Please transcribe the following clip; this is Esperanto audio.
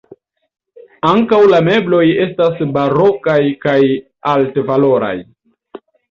Ankaŭ la mebloj estas barokaj kaj altvaloraj.